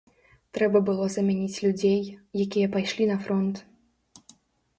Трэба было замяніць людзей, якія пайшлі на фронт.